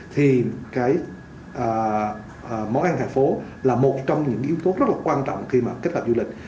thì cái món ăn thành phố là một trong những yếu tố rất là quan trọng khi mà kết hợp du lịch